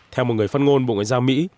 theo một người phát ngôn bộ ngoại giao mỹ